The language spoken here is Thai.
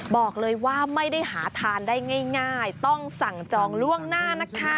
บอกเลยว่าไม่ได้หาทานได้ง่ายต้องสั่งจองล่วงหน้านะคะ